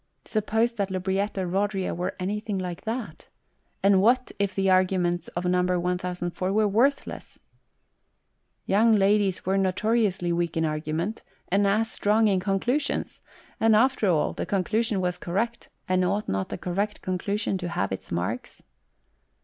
Suppose that Lubrietta Rodria were anything like that ! and what if the arguments of No. 1004 were worthless ! Young ladies were notoriously weak in argument, and as strong in conclusions ! and after all, the conclusion was correct, and ought not a correct conclusion to have its marks